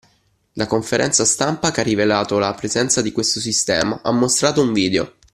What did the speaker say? La conferenza stampa, che ha rivelato la presenza di questo sistema, ha mostrato un video